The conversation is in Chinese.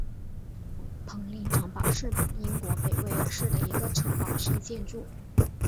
彭林城堡是英国北威尔士的一个城堡式建筑。